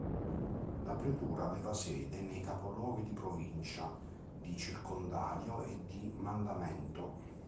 La pretura aveva sede nei capoluoghi di provincia, di circondario e di mandamento.